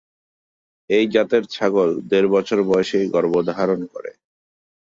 এই জাতের ছাগল দেড় বছর বয়সেই গর্ভধারণ করে থাকে।